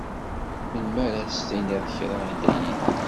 Melmi ara as-tiniḍ kra i Dda Yidir?